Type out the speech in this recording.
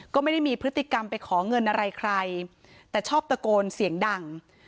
ก็ไม่ได้มีพฤติกรรมไปขอเงินอะไรใครแต่ชอบตะโกนเสียงดัง